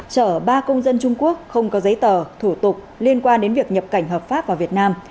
chở ba công dân trung quốc không có giấy tờ thủ tục liên quan đến việc nhập cảnh hợp pháp vào việt nam